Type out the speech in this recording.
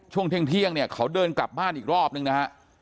ช่วงเที่ยงเนี่ยเขาเดินกลับบ้านอีกรอบนึงนะฮะ